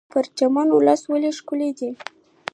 پرچمن ولسوالۍ ولې ښکلې ده؟